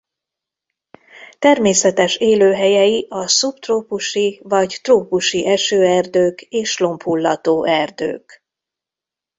Természetes élőhelyei a szubtrópusi vagy trópusi esőerdők és lombhullató erdők.